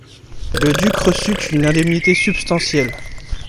Le duc reçut une indemnité substantielle.